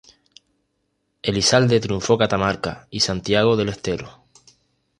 Elizalde triunfó Catamarca y Santiago del Estero.